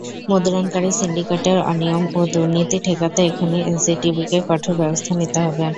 মুদ্রণকারী সিন্ডিকেটের অনিয়ম ও দুর্নীতি ঠেকাতে এখনই এনসিটিবিকে কঠোর ব্যবস্থা নিতে হবে।